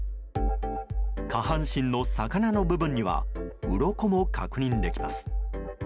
下半身の魚の部分にはうろこも確認できます。